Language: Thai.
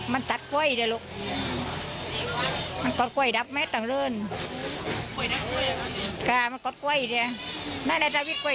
มันตัดกล้วยเด้อหรอกมันกดกล้วยดับแม่ต่างเริ่ม